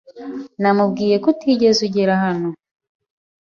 Namubwiye ko utigeze ugera hano.